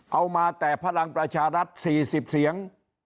มาแต่พลังประชารัฐ๔๐เสียง